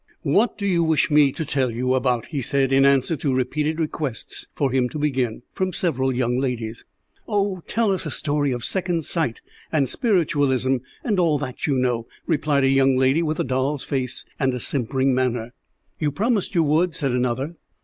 "What do you wish me to tell you about?" he said in answer to repeated requests for him to begin, from several young ladies. "Oh, tell us a story of second sight, and spiritualism, and all that, you know," replied a young lady with a doll's face and simpering manner. "You promised you would," said another.